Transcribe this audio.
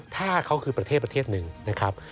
ถ้าเขาคือประเทศหนึ่งนะครับ